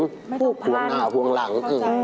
วงผ้เล่นเหรอไม่ต้องพ่างหมันห่วงหน้าห่วงหลัง